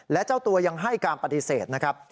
และเจ้าตัวยังให้การปฏิเสธนะครับ